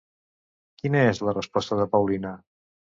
Quina és la resposta de Paulina?